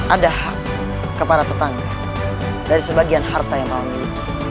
ada hak kepada tetangga dari sebagian harta yang mau miliki